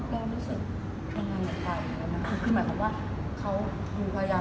เหมือนแล้วเนี่ยช่วงนี้ดีเกี่ยวกับความคุ้นรัว